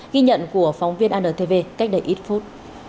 ghi nhận của phóng viên antv cách đây ít phút